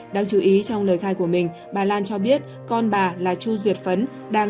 đáng chú ý trong lời khai của mình bà lan cho biết con bà là chu duyệt phấn